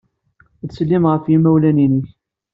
Ttsellim ɣef yimawlan-nnek.